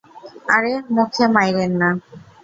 আরে, মুখে মাইরেন না।